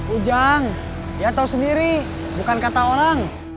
ujang dia tahu sendiri bukan kata orang